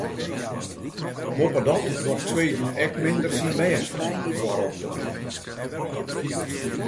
Boppedat docht Sweden ek minder syn bêst om foarop te bliuwen.